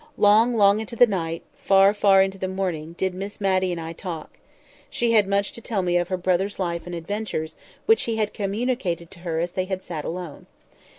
Long, long into the night, far, far into the morning, did Miss Matty and I talk. She had much to tell me of her brother's life and adventures, which he had communicated to her as they had sat alone.